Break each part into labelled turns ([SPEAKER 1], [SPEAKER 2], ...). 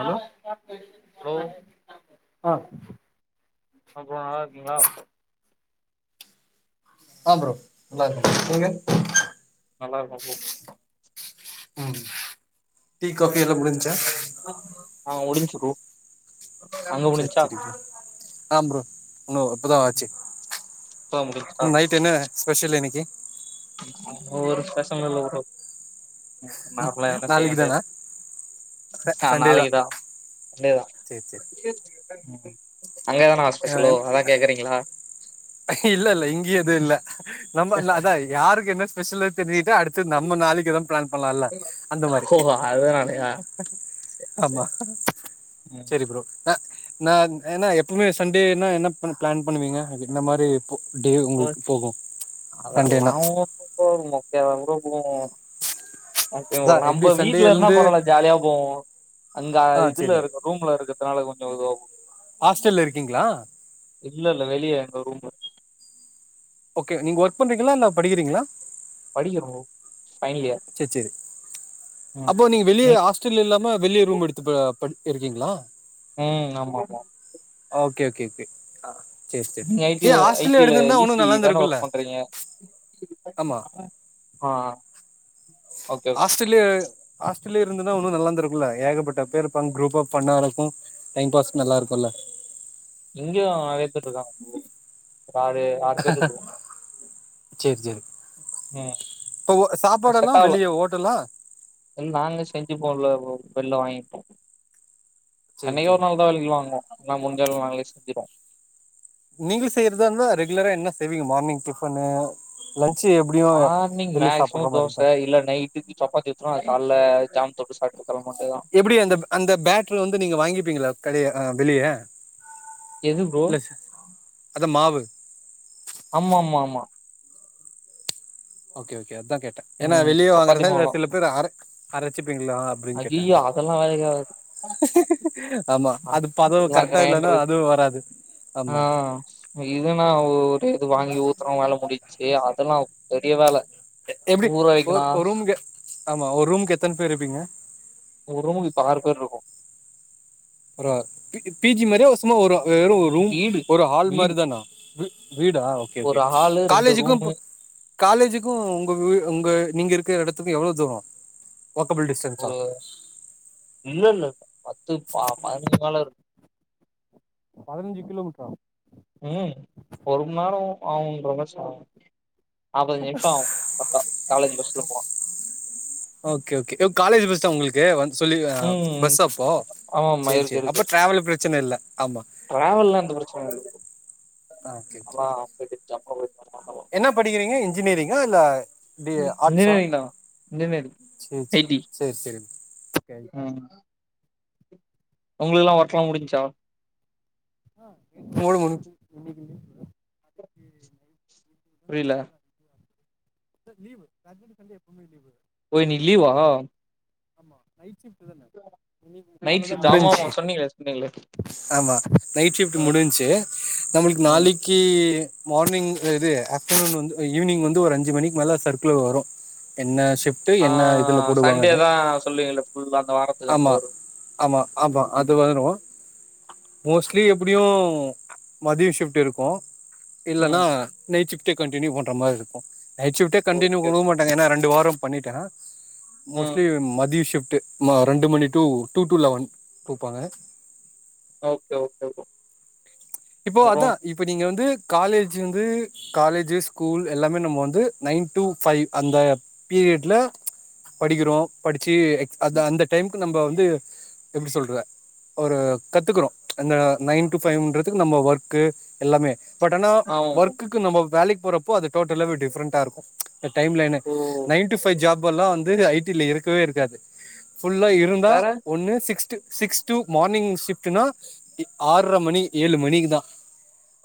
[SPEAKER 1] hello
[SPEAKER 2] hello
[SPEAKER 1] ஆ
[SPEAKER 2] அ bro நல்லா இருக்கீங்களா
[SPEAKER 1] ஆ ப்ரோ நல்லா இருக்கே நீங்க
[SPEAKER 2] நல்லா இருக்கோம் ப்ரோ
[SPEAKER 1] ம் டீ காஃபி எல்லா முடிஞ்சா
[SPEAKER 2] ஆ முடிஞ்சு ப்ரோ அங்க முடிஞ்சா
[SPEAKER 1] செரிச்செரி ஆ ப்ரோ இன்னு இப்பதா ஆச்சு
[SPEAKER 2] இப்பதா முடிஞ்சா
[SPEAKER 1] ம் நைட் என்ன ஸ்பெஷல் இன்னக்கி
[SPEAKER 2] அங்க ஒரு ஸ்பெஷலு இல்ல ப்ரோ நார்மலா எதனா செய்ய
[SPEAKER 1] நாளைக்கு
[SPEAKER 2] வேண்டியதா
[SPEAKER 1] தானா
[SPEAKER 2] ஆ
[SPEAKER 1] சண்டே தா
[SPEAKER 2] நாளைக்குதா டே தா
[SPEAKER 1] சேரி
[SPEAKER 2] அங்க எதனா ஸ்பெஷலோ
[SPEAKER 1] சேரி
[SPEAKER 2] அதா கேக்குறீங்களா
[SPEAKER 1] இல்ல இல்ல இங்க எதுவு இல்ல நம்ம அத்லா அதா யாருக்கு என்ன ஸ்பெஷலு தெரி்ஞ்சுட்டு அது செரி நம்ம நாளிக்கு எதும் பிளான் பண்ணலால அந்த மாரி
[SPEAKER 2] ஓ அதுனாலயா சேரி
[SPEAKER 1] ஆமா
[SPEAKER 2] சேரி ம்
[SPEAKER 1] செரி ப்ரோ நா நா ஏன்னா எப்போமே சண்டேனா என்ன பண்ண பிளான் பண்ணுவீங்க எந்த மாரி டே
[SPEAKER 2] ப்ரோ
[SPEAKER 1] உங்குளுக்கு போகோ சண்டேனா
[SPEAKER 2] எப்பவு மொக்கையா தா ப்ரோ போவோ ஓகேங்க ப்ரோ
[SPEAKER 1] அதா எப்டி
[SPEAKER 2] நம்ப வீட்ல
[SPEAKER 1] சண்டேல
[SPEAKER 2] இருந்தா
[SPEAKER 1] இருந்து
[SPEAKER 2] பரவால்ல ஜாலியா போவோ அங்க
[SPEAKER 1] ஆ
[SPEAKER 2] இதுல
[SPEAKER 1] செரி
[SPEAKER 2] இருக்க ரூம்ல இருக்கிறதுனால கொஞ்சோ இதுவா
[SPEAKER 1] ஹாஸ்டல்ல இர்க்கீங்களா
[SPEAKER 2] இல்லல்ல வெளியே எங்க ரூம்ல
[SPEAKER 1] ஓகே நீங்க ஒர்க் பண்றீங்களா இல்ல படிக்கிறீங்களா
[SPEAKER 2] படிக்குறோ ஃபைனல் இயர்
[SPEAKER 1] செரி செரி
[SPEAKER 2] ம்
[SPEAKER 1] அப்போ நீங்க
[SPEAKER 2] நீ
[SPEAKER 1] வெளிய ஹா ஸ்டல் இல்லாம வெளிய ரூம் எடுத்து ப படிக்க இருக்கீங்களா
[SPEAKER 2] ம் ஆமாமா
[SPEAKER 1] ஓகே ஓகே கே அ
[SPEAKER 2] நீங்க ஐ டில ஐ டில ஈ சி
[SPEAKER 1] நல்லா
[SPEAKER 2] தானே
[SPEAKER 1] இருந்திருக்குல்ல
[SPEAKER 2] ஒர்க் பண்றீங்க
[SPEAKER 1] ஆமா
[SPEAKER 2] அ அ ஓகே ஓகே
[SPEAKER 1] ஹாஸ்ட்டலயே ஹாஸ்டல்லே இருந்துருந்தா இன்னு நல்லா இருந்துருக்கு இல்ல ஏகப்பட்ட பேர் இருப்பாங்க குரூப்பா ஃபண்ணா இருக்கு டைம் பாஸ் நல்லா
[SPEAKER 2] ம்
[SPEAKER 1] இருக்கு இல்ல
[SPEAKER 2] இங்கயு நறைய பேர் இருக்காங்க ப்ரோ ஒரு ஆறு பேர் இருக்கோ
[SPEAKER 1] சேரி சேரி
[SPEAKER 2] ம்
[SPEAKER 1] இப்ப ஓ
[SPEAKER 2] அது
[SPEAKER 1] சாப்பாடெல்லா
[SPEAKER 2] செட் ஆகல
[SPEAKER 1] வெளிய ஓட்டலா
[SPEAKER 2] இல்ல நாங்களே செஞ்சுப்போ ல ப்ரோ வெளில வாங்கிப்போ
[SPEAKER 1] செரி
[SPEAKER 2] என்னைக்கோ
[SPEAKER 1] செரி
[SPEAKER 2] ஒரு நாள் தா வெலக்கி வாங்குவோ ஆனா முடிஞ்சவர நாங்களே செஞ்சிருவோ
[SPEAKER 1] நீங்களு செய்யறதா இருந்தா ரெகுலரா என்ன செய்வீங்க மார்னிங் டிபனு லன்சு எப்டியு
[SPEAKER 2] மார்னிங்
[SPEAKER 1] வெளிய சாப்புட்ற
[SPEAKER 2] மேக்சிமம்
[SPEAKER 1] மாரி
[SPEAKER 2] தோச
[SPEAKER 1] தா
[SPEAKER 2] இல்ல நைட் டுக்கு சப்பாத்தி எத்துருவோ அத கால்ல ஜாம் தொட்டு சாப்ட்டு களம்ப வேண்டியதா
[SPEAKER 1] எப்டி அந்த அந்த பேட்ரு வந்து நீங்க வாங்கிப்பீங்களா கடைய ஆ வெளிய
[SPEAKER 2] எது ப்ரோ
[SPEAKER 1] இல்ல சார் அதா மாவு
[SPEAKER 2] ஆமாமாஆமா
[SPEAKER 1] ஓகே ஓகே அதுதா கேட்ட ஏன்னா
[SPEAKER 2] ம்
[SPEAKER 1] வெளியே
[SPEAKER 2] சப்பாத்தி
[SPEAKER 1] வாங்குறதா
[SPEAKER 2] மாவுதா
[SPEAKER 1] சில பேர் அர அரச்சிப்பீங்களா அப்டின்னு கேட்ட
[SPEAKER 2] ஐயையோ
[SPEAKER 1] அதா
[SPEAKER 2] அதெல்லா வேலைக்கு ஆகாது
[SPEAKER 1] ஆமா அது பதம்
[SPEAKER 2] அதெல்லா
[SPEAKER 1] கரெக்டா இல்லன்னா
[SPEAKER 2] கிரைண்டரு
[SPEAKER 1] அதுவு வராது
[SPEAKER 2] ஆ
[SPEAKER 1] ஆமா
[SPEAKER 2] இதுன்னா ஒரே இது வாங்கி ஊத்துறோ வேல முடிஞ்ச்சு அதெல்லா பெரிய வேல
[SPEAKER 1] எப்டி
[SPEAKER 2] ஊற வைக்கணு
[SPEAKER 1] ஒர் ஒரு ரூமுக்கு ஆமா ஒரு ரூமுக்கு எத்தன பேர் இருப்பீங்க
[SPEAKER 2] ஒரு ரூமுக்கு இப்ப ஆறு பேர் இருக்கோ
[SPEAKER 1] ப்ரோ பி பிஜி மாரியா ஒரு சும்மா வெறு ரூம்
[SPEAKER 2] வீடு
[SPEAKER 1] ஒரு ஹால்
[SPEAKER 2] வீடு
[SPEAKER 1] மாரி தானா வீ வீடா ஓகே ஓகே
[SPEAKER 2] ஒரு ஹாலு ரெண்டு
[SPEAKER 1] காலேஜுக்கு
[SPEAKER 2] ரூமு
[SPEAKER 1] இப்ப காலேஜிக்கு உங்க வீ உங்க நீங்க இருக்கற எடத்துக்கு எவ்ளோ தூரோ வாக்கப்பல் டிஸ்டன்ஸ்
[SPEAKER 2] ஒரு இல்லல்ல பத்து பா பதினஞ்சி மேல இருக்
[SPEAKER 1] பதினஞ்சு கிலோமீட்டரா
[SPEAKER 2] ம் ஒரு மணி நேரோ ஆகு இன்றா மாரி சொல்றாங்க நாப்பத்தஞ்சி நிமிஷோ ஆவோ க க காலேஜ் பஸ்ல போனா
[SPEAKER 1] ஓகே ஓகே காலேஜ் பஸ் தா உங்களுக்கு வந்து சொல்லி
[SPEAKER 2] ம்
[SPEAKER 1] பஸ்ஸா அப்போ
[SPEAKER 2] ஆமா ஆமா
[SPEAKER 1] சேரி சேரி அப்போ டிரவல்ல பிரச்சன இல்ல ஆமா
[SPEAKER 2] டிரவல்லா எந்த பிரச்சனையு இல்ல ப்ரோ
[SPEAKER 1] ஓகே ஓகே
[SPEAKER 2] ஆனா [inaudible]
[SPEAKER 1] என்ன படிக்கிறீங்க இன்ஜினியரிங்கா இல்ல ஆர்ட்ஸா
[SPEAKER 2] இன்ஜினியரிங் தா இன்ஜினியரிங்
[SPEAKER 1] சேரி
[SPEAKER 2] ஐ டி
[SPEAKER 1] சேரி சேரி
[SPEAKER 2] ம் உங்கலுக்லா ஒர்க்லா முடிஞ்சா
[SPEAKER 1] [unintelligible] முடிஞ்சி
[SPEAKER 2] புரில
[SPEAKER 1] அதா லீவு சாட்டர்டே சண்டே எப்பவுமே லீவு
[SPEAKER 2] ஓ இன்னிக்கி லீவா
[SPEAKER 1] ஆமா நைட் ஷிப்ட்தானே இன்னிக்
[SPEAKER 2] நைட்
[SPEAKER 1] காலைல தா
[SPEAKER 2] ஷிப்ட் ஆமாமா
[SPEAKER 1] முடிஞ்சி
[SPEAKER 2] சொன்னீங்களே சொன்னீங்களே
[SPEAKER 1] ஆமா நைட் ஷிப்ட்
[SPEAKER 2] ம்
[SPEAKER 1] முடிஞ்சி நம்மளுக்கு
[SPEAKER 2] ம்
[SPEAKER 1] நாளிக் கி மார்னிங் இது ஆஃப்டர்நூன் வந்து ஈவினிங் வந்து ஒரு அஞ்சு மணிக்கு மேல சர்க்குலர் வரு என்ன ஷிஃப்ட்
[SPEAKER 2] ஆ
[SPEAKER 1] என்ன இதுல
[SPEAKER 2] சண்டே
[SPEAKER 1] போடுவாங்கன்னு
[SPEAKER 2] தா சொல்லுவீங்களே ஃபுல்லா அந்த வாரத்
[SPEAKER 1] ஆமா ஆமா ஆமா அது வரு மோஸ்ட்லி எப்டியு மதியோ ஷிஃப்ட் இருக்கு இல்லனா
[SPEAKER 2] ம்
[SPEAKER 1] நைட் ஷிஃப்டே கண்டினியூ பண்ற மாதிரி இருக்கு நைட் ஷிஃப்டே கண்டுனியூ
[SPEAKER 2] ஓகே
[SPEAKER 1] குடுக்க மாட்டாங்க ஏன்னா ரெண்டு வாரோ பண்ணிட்டே
[SPEAKER 2] ம்
[SPEAKER 1] மோஸ்ட்லி மதிய ஷிஃப்ட்டே மா ரெண்டு மணி டூ டூ டூ லெவன் குடுப்பாங்க
[SPEAKER 2] ஓகே ஓகே ப்ரோ
[SPEAKER 1] இப்போ அதா இப்ப நீங்க வந்து காலேஜ் வந்து காலேஜு ஸ்கூல் எல்லாமே நம்ம வந்து நைன் டு ஃபைவ் அந்த பீரியட்ல படிக்கிறோ படிச்சு அது அந்த டைமுக்கு நம்ம வந்து எப்டி சொல்றது ஒரு கத்துக்குறோ இந்த நைன் டு ஃபைவ்ன்றது துக்கு நம்ம ஒர்க்கு எல்லாமே பட் ஆனா
[SPEAKER 2] ஆமாமா
[SPEAKER 1] ஒர்க் க்கு நம்ம வேலைக் போறப்போ அது டோட்டலாவே டிஃப்ரெண்டா இருக்கு டைம் லைனு
[SPEAKER 2] ஓ
[SPEAKER 1] நைன் டு ஃபை ஜாப் எல்லா வந்து ஐடி ல இருக்கவே இருக்காது ஃபுல்லா இருந்தா
[SPEAKER 2] வேற
[SPEAKER 1] ஒன்னு சிக்ஸ்டு சிக்ஸ் டூ மார்னிங் ஷிப்டுனா இ ஆற்ர மணி ஏழு மணிக்கு தா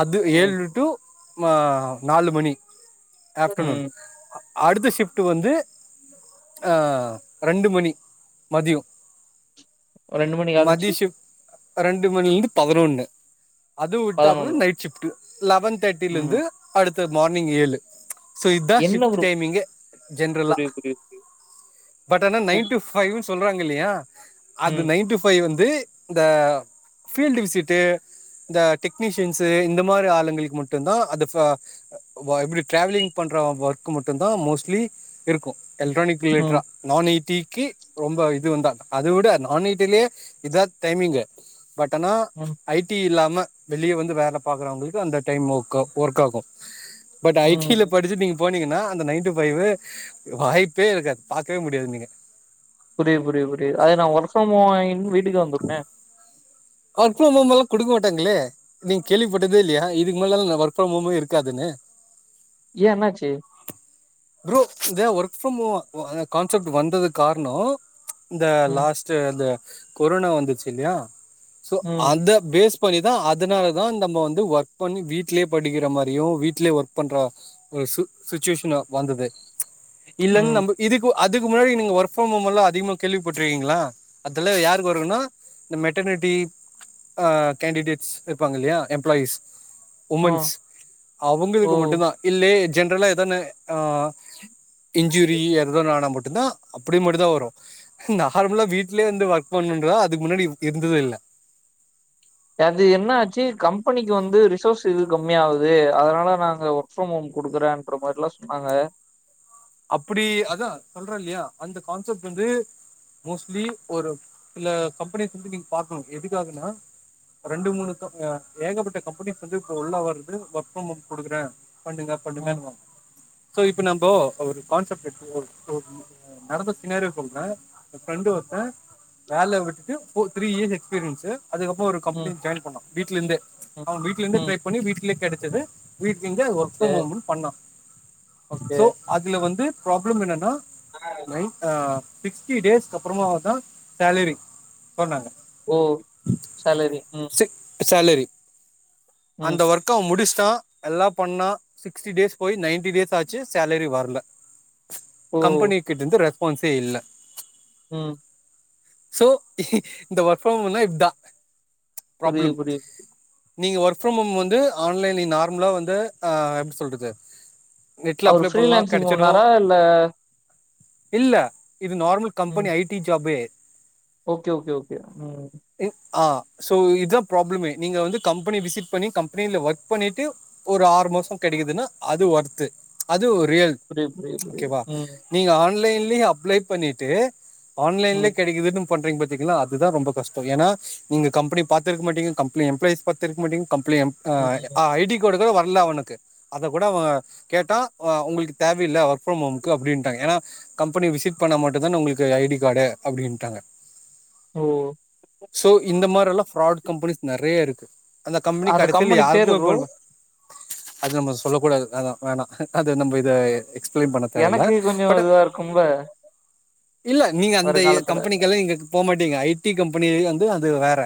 [SPEAKER 1] அது
[SPEAKER 2] ம்
[SPEAKER 1] ஏழு டு மா நாலு மணி ஆஃப்டனூன்
[SPEAKER 2] ம்
[SPEAKER 1] அடுத்த ஷிஃப்ட்டு வந்து ஆ ரெண்டு மணி மதியோ
[SPEAKER 2] ரெண்டு மணிக்கு ஆரம்பிச்சு
[SPEAKER 1] மதியோ ஷுஃப் ரெண்டு மணிலந்து பதினொன்னு அது விட்ட அப்புறோ
[SPEAKER 2] பதினொன்னு
[SPEAKER 1] நைட் ஷிப்ட்டு லெவன் தர்ட்டிலந்து
[SPEAKER 2] ம்
[SPEAKER 1] அடுத்த மார்னிங் ஏழு சோ இதா
[SPEAKER 2] என்ன
[SPEAKER 1] ஷிஃப்ட்டு
[SPEAKER 2] ப்ரோ
[SPEAKER 1] டைமிங்கே ஜென்ரல்லா
[SPEAKER 2] புரியுது புரியுது புரியுது
[SPEAKER 1] பட் ஆனா நைன் டூ ஃபைவ்னு சொல்றாங்க இல்லையா அது
[SPEAKER 2] ம்
[SPEAKER 1] நைன் டூ ஃபைவ் வந்து இந்த ஃபீல்டு விசிட்டு இந்த டெக்னீஷியன்ஸு இந்த மாரி ஆளுங்களுக்கு மட்டுந்தா அது ஃப வ இப்டி டிராவிலிங் பண்றவ ஒர்க் மட்டுந்தா மோஸ்ட்லி இருக்கோ எல்க்ட்ரானிக்
[SPEAKER 2] ம் ம்
[SPEAKER 1] ரிலேட்ரா நா எயிட்டிக்கு ரொம்ப இது வந்தா அது விட நா எயிட்டிலயே இதா டைமிங்கு பட் ஆனா
[SPEAKER 2] [unintelligible]
[SPEAKER 1] ஐ டி இல்லாம வெளிய வந்து வேல பாக்குறவுங்குளுக்கு அந்த டைம் ஒர்கா ஒர்க் ஆகோ பட் ஐ டில
[SPEAKER 2] ம்
[SPEAKER 1] படிச்சுட்டு நீங்க போனீங்கன்னா அந்த நைன் டூ ஃபைவு வாய்ப்பே இருக்காது பாக்கவே முடியாது நீங்க
[SPEAKER 2] புரிது புரிது புரிது அது நா வொர்க் ஃப்ரம் ஹோம் வாங்கிட் வீட்டுக்கு வந்துர்ப
[SPEAKER 1] வொர்க் ஃப்ரம் ஹோம்லா குடுக்கமாட்டாங்களே நீங்க கேள்விப்பட்டதே இல்லையா இதுக்கு மேலலா வொர்க் ஃப்ரம் ஹோமே இருக்காதுனு
[SPEAKER 2] ஏ என்னாச்சு
[SPEAKER 1] ப்ரோ இந்த work from home uh concept வந்தது கார்ணோ இந்த
[SPEAKER 2] ம்
[SPEAKER 1] லாஸ்ட் டு அந்த கொரோனா வந்துச்சு இல்லியா சோ
[SPEAKER 2] ம்
[SPEAKER 1] அத பேஸ் பண்ணிதா அதனாலதா நம்ம வந்து ஒர்க் பண்ணி வீட்லயே படிக்குற மாரியு வீட்லயே வொர்க் பண்ற ஒரு சு சுச்சுவேஷனா வந்தது இல்லன்
[SPEAKER 2] ம்
[SPEAKER 1] நம்ப இதுக்கு அதுக்கு முன்னாடி நீங்க ஒர்க் ஃப்ரம் ஹோமல்லா அதிகமா கேள்விபட்ருக்கீங்ளா அதுல யாருக்கு வருன்னா இந்த மெட்டனிட்டி ஆ கேண்டிடேட்ஸ் இருப்பாங்க இல்லயா எம்ப்ளாயிஸ்
[SPEAKER 2] ஆ
[SPEAKER 1] உமன்ஸ் அவங்களுக்கு
[SPEAKER 2] ஓ
[SPEAKER 1] மட்டுதா இல்லே ஜென்ரலா எதானு ஆ இன்ஜுரி ஏதனாணா மட்டுதா அப்டி மட்டு தா வரும் நார்மலா வீட்லயே இந்து வர்க் பண்ணன்றுதா அதுக்கு முன்னாடி இருந்ததே இல்ல
[SPEAKER 2] அது என்னாச்சு கம்பெனிக்கு வந்து ரிசோர்ஸ் இது கம்மியாவுது அதனால நாங்க வர்க் ஃப்ரம் ஹோம் கொடுக்குறேன்ற மாரிலா சொன்னாங்க
[SPEAKER 1] அப்டி அதா சொல்றேன்ல்லையா அந்த கான்செப்ட் வந்து மோஸ்ட்லி ஒரு சில கம்பனிஸ் பத்தி நீங்க பாக்கணும் எதுக்காகன்னா ரெண்டு மூணு கம் அ ஏகப்பட்ட கம்பனிஸ் வந்து இப்ப உள்ள வருது ஒர்க் ஃப்ரம் ஹோம் குடுக்கறேன் பண்ணுங்க
[SPEAKER 2] ம்
[SPEAKER 1] பண்ணுங்கனுவாங்க சோ இப்ப நம்ம ஒரு கான்செப்ட் எடு [inaudible] நடந்தத பின்னாடி சொல்றே ஃப்ரெண்டு ஒர்த்தன் வேல விட்டு ஃபோர் த்ரீ இயர்ஸ் எக்ஸ்பீரியன்ஸு அதுக்கப்போ ஒரு கம்பனி
[SPEAKER 2] ம்
[SPEAKER 1] ஜாயின் பண்ணான் வீட்லேந்தே
[SPEAKER 2] ம்
[SPEAKER 1] அவன் வீட்லேந்தே
[SPEAKER 2] ம்
[SPEAKER 1] டிரை பண்ணி வீட்லயே கடச்சது வீட்லேந்தே அது ஒர்க்
[SPEAKER 2] ஓகே
[SPEAKER 1] ஃப்ரம் ஹோம்னு பண்ணா
[SPEAKER 2] ஓகே
[SPEAKER 1] சோ அதுல வந்து பராப்ளம் என்னன்னா நைட் ஆ சிக்ஸ்டி டேஸ்கப்புறமாதா சாலரி சொன்னாங்க
[SPEAKER 2] ஓ சாலரி ம்
[SPEAKER 1] சிக் சாலரி
[SPEAKER 2] ம்
[SPEAKER 1] அந்த வொர் க்க முடிச்ட்டான் நல்லா பண்ணா சிக்ஸ்டி டேஸ் போய் நைன்டி டேஸ் ஆச்சு சாலரி வரல
[SPEAKER 2] ஓ
[SPEAKER 1] கம்பனி கிட்டந்து ரெஸ்பான்ஸே இல்ல
[SPEAKER 2] ம்
[SPEAKER 1] சோ இந்த ஒர்க் ஃபார்ம் ஹோனா இதா
[SPEAKER 2] புரியுது
[SPEAKER 1] ப்ராப்ளம்
[SPEAKER 2] புரியுது
[SPEAKER 1] நீங்க ஒர்க் ஃப்ரம் ஹோம் வந்து ஆன்லைன்ல நார்மலா வந்து ஆ எப்டி சொல்றது நெட்ல
[SPEAKER 2] அவரு
[SPEAKER 1] அப்ளை பண்லாம்
[SPEAKER 2] ஃப்ரீலான்சிங்
[SPEAKER 1] கடச்சுடும்
[SPEAKER 2] பண்ணாரா இல்ல
[SPEAKER 1] இல்ல இது நார்மல் கம்பனி
[SPEAKER 2] ம்
[SPEAKER 1] ஐடி ஜாபே
[SPEAKER 2] ஓகே ஓகே ஓகே ம்
[SPEAKER 1] ம் ஆ சோ இதா ப்ராபளமே நீங்க வந்து கம்பனி விசிட் பண்ணி கம்பனில ஒர்க் பண்ணிட்டு ஒரு ஆறு மாசம் கடைக்குதுனா அது ஒர்த்து அது ரியல்
[SPEAKER 2] புரியுது புரியுது புரியுது
[SPEAKER 1] ஓகேவா
[SPEAKER 2] ம்
[SPEAKER 1] நீங்க ஆன்லைன்லயே அப்ளை பண்ணிட்டு ஆன்லைன்லே
[SPEAKER 2] ம்
[SPEAKER 1] கடைக்குதுன்னு பண்றீங்க பாத்தீங்களா அதுதா ரொம்ப கஷ்டம் ஏன்னா நீங்க கம்பெனி பாத்ருக்க மாட்டிங்க கம்பெனி எம்ளாய்ஸ் பாத்ருக்க மாட்டிங்க கம்பெனி எம்ப்
[SPEAKER 2] ம்
[SPEAKER 1] ஆ ஐடி கார்டு கூட வரல அவனுக்கு அத கூட அவன் கேட்டா உங்கள்க்கு தேவ இல்ல ஒர்க் ஃப்ரம் ஹோம்க்கு அப்டின்டாங்க ஏனா கம்பனி விசிட் பண்ணா மட்டு தானே உங்களுக்கு ஐடி கார்டு அப்டின்ட்டாங்க
[SPEAKER 2] ஓ
[SPEAKER 1] சோ இந்த மாரல்லா ஃபராட் கம்பனிஸ் நறைய இருக்கு அந்த கம்பனி கடைசில
[SPEAKER 2] கம்பெனி பேரு
[SPEAKER 1] யாருக்குமே
[SPEAKER 2] ப்ரோ
[SPEAKER 1] இப் அது நம்ம சொல்ல கூடாது அதா வேணாம் அது நம்ப இது எக்ஸ்பிளைன் பண்ண தேவல
[SPEAKER 2] எனக்கு கொஞ்சோ
[SPEAKER 1] பட்
[SPEAKER 2] இதுவா இருக்கும்ல
[SPEAKER 1] இல்ல நீங்க அந்தய
[SPEAKER 2] வருங்காலத்துல
[SPEAKER 1] கம்பனிக்கலாம் இங்க போ மாட்டீங்க ஐடி கம்பெனி வந்து அது வேற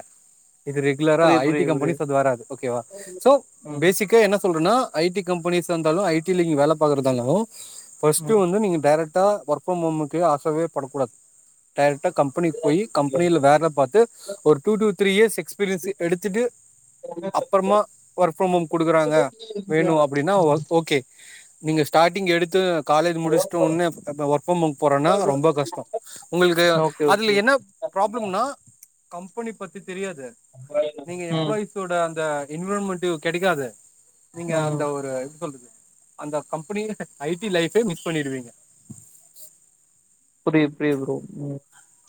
[SPEAKER 1] இது ரொகுலறா
[SPEAKER 2] புரியுது
[SPEAKER 1] ஐடி
[SPEAKER 2] புரியுது
[SPEAKER 1] கம்பனிஸ் அது வராது ஓகேவா
[SPEAKER 2] புரியுது
[SPEAKER 1] சோ
[SPEAKER 2] ம்
[SPEAKER 1] பேசிக் ஓகே என்ன சொல்றன்னா ஐடி கம்பனிஸா இந்தாலு ஐடில வேல பாக்றதா இருந்தாலு ஃபர்ஸ்ட்டு வந்து நீங்க டைரக்டா ஒர்க் ஃப்ரம் ஹோமுக்கு ஆசவேபடக் கூடாது டைரக்டா கம்பனிக்கு போய் கம்பனில வேல பாத்து ஒரு two two three years experience
[SPEAKER 2] ம்
[SPEAKER 1] எடுத்துட்டு அப்பறமா ஒர்க் ஃப்ரம் ஓம் குடுக்குறாங்க வேணு அப்புடினா ஓ ஓகே நீங்க ஸ்டாட்டிங் எடுத்து காலேஜ் முடிஷ்ட்டு உன்னே அ ஒர்க் ஃப்ரம் ஓம் போறனா ரொம்ப கஷ்டோ உங்களுக்கு
[SPEAKER 2] ஓகே ஓகே
[SPEAKER 1] அதுல என்ன
[SPEAKER 2] ஓகே
[SPEAKER 1] ப்ராப்ளம்னா கம்பெனி பத்தி தெரியாது நீங்க
[SPEAKER 2] ம்
[SPEAKER 1] எம்ப்ளாயிஸ் ஸோட அந்த என்வ்ரான்மெண்ட்டு கெடைக்காது நீங்க
[SPEAKER 2] ம்
[SPEAKER 1] அந்த ஒரு எப் சொல்றது அந்த கம்பெனி ஐடி லைஃபே மிஸ் பண்ணிடுவீங்க
[SPEAKER 2] புரித் புரித் ப்ரோ ம்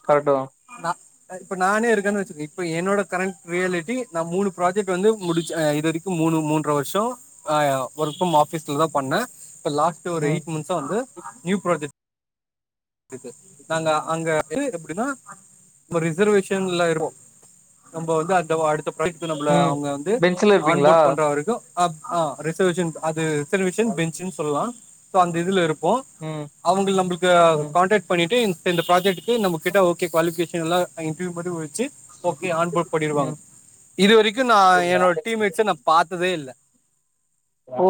[SPEAKER 2] கரட்டு தா
[SPEAKER 1] நா அ இப்ப நானே இருக்கேனு வச்சிக்க இப்ப என்னோட கரண் ரியாலிட்டி நா மூணு ப்ராஜெக்ட் வந்து முடிச்ச இது வரிக் கு மூணு மூன்ற வருஷோ ஆ ஒர்க் ஃப்ரம் ஆபிஸ்ல தா பண்ண இப்ப லாஸ்ட்டு ஒரு
[SPEAKER 2] ம்
[SPEAKER 1] எயிட் மந்த்சா வந்து நியூ ப்ராஜெக் டுக்கு நாங்க அங்க [unintelligible] எப்டினா நம்ம ரிசர்வேஷன்ல இருப்போ நம்ப வந்து அந்த ஒ அடுத்த [unintelligible] நம்பள
[SPEAKER 2] ம்
[SPEAKER 1] அவுங்க வந்து
[SPEAKER 2] பெஞ்சுல இருப்பீங்களா
[SPEAKER 1] ஆன்போட் பண்ற வரிக்கு அப் அ ரிசர்வேஷன் அது ரிசர்வேஷன் பெஞ்சுன் சொல்லா சோ அந்த இதுல இருப்போ
[SPEAKER 2] ம்
[SPEAKER 1] அவுங்க நம்பிள்க்கு அ
[SPEAKER 2] ம்
[SPEAKER 1] இன்ட்ராட் பண்ணிட்டு இந் இப்பிந்த ப்ராஜேட்டுக்கு நம்ப கிட்ட ஓகே குவாலிஃப்கேஷன் எல்லா இன்ட்ர்யூ மாதிரி வெச்சி ஓகே ஆன் போட் பண்ணிடுவாங்க
[SPEAKER 2] ம்
[SPEAKER 1] இது வரிக்கு நா என்னோட் டீம்மேட்ஸ நா பாத்ததே இல்ல
[SPEAKER 2] ஓ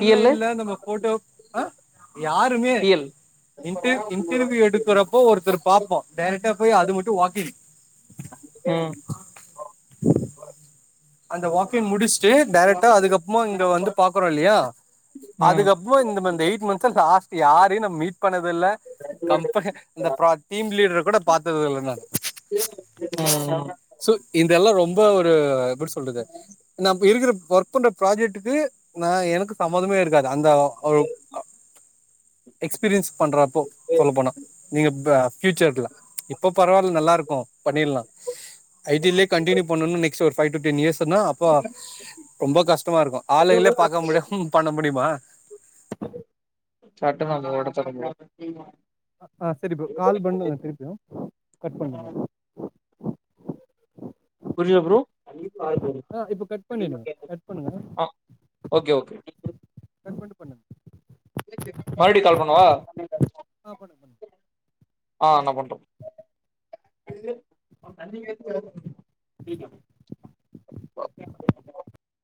[SPEAKER 2] டி எல்லு
[SPEAKER 1] நம்ம ஃபோட்டோ ஆ யாருமே
[SPEAKER 2] டி எல்
[SPEAKER 1] இன்டர் இன்டர்வியூ எடுக்கறப்போ ஒருத்தரு பாப்போ டேரெக்டா போயி அது மட்டு வாக்கிங்
[SPEAKER 2] ம்
[SPEAKER 1] அந்த வாக்கிங் முடிஷ்ட்டு டேரெக்டா அதுக்கப்புமா இங்க வந்து பாக்குறோ இல்லியா
[SPEAKER 2] ம்
[SPEAKER 1] அதுக்கப்புறோ இந்த ம இந்த எயிட் மந்த்ஸா லாஸ்ட்டு யாரையு நா மீட் பண்ணதில்ல கம்பெஹ இந்த ப்ரா டீம் லீடர கூட பாத்ததுல்லங்க
[SPEAKER 2] ம் ம்
[SPEAKER 1] சோ இந்தெல்லா ரொம்ப ஒரு எப்டி சொல்றது நா இப்ப இருக்கற ஒர்க் பண்ற ப்ராஜெக்டுக்கு நா எனக்கு சம்மதமே இருக் காது அந்த ஒரு எக்ஸ்பீரியன்ஸ் பண்றப்போ சொல்ல போனா நீங்க ப ஃபியூச்சர்ல இப்ப பரவாயில்ல நல்லா இருக்கு பண்ணிடலா ஐ டியிலயே கண்டினியூ பண்ணனு நெக்ஸ்ட் ஒரு ஃபை டூ டென் இயர்ஸ்னா அப்பா ரொம்ப கஷ்டமா இருக்கு ஆளுங்களே பார்க்க முடியாம பண்ண முடியுமா
[SPEAKER 2] சட்டு நாங்க ஓடச்ச [unintelligible] [inaudible]
[SPEAKER 1] அ சரி ப்ரோ கால் பண்ணுங்க திருப்பியு கட் பண்ணுங்க
[SPEAKER 2] புரியுதா ப்ரோ
[SPEAKER 1] ஆ இப்போ கட் பண்ணிடுங்க கட் பண்ணுங்க
[SPEAKER 2] ஆ ஓகே ஓகே
[SPEAKER 1] சென்ட்மட்டு பண்ணு
[SPEAKER 2] மறுபுடியு கால் பண்ணவா
[SPEAKER 1] ஆ பண்ணுங்க
[SPEAKER 2] ஆ நா
[SPEAKER 1] பண்ணுங்க
[SPEAKER 2] பண்ற [unintelligible] ஓகே